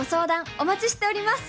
お待ちしております